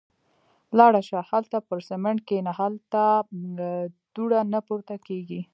– لاړه شه. هالته پر سمڼت کېنه. هلته دوړه نه پورته کېږي.